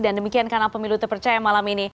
dan demikian karena pemilu terpercaya malam ini